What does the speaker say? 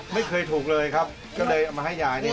ไม่เคยถูกเลยครับก็เลยเอามาให้ยายนี่